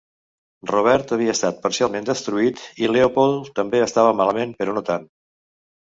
Robert havia estat parcialment destruït i Leopold també estava malament, però no tant.